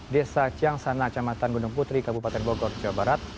desa ciansana camatan gunung putri kabupaten bogor jawa barat